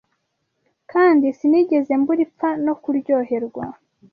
kandi sinigeze mbura ipfa no kuryoherwa.